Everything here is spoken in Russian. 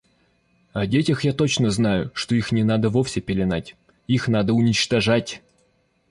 О детях я точно знаю, что их не надо вовсе пеленать, их надо уничтожать.